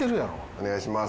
お願いします。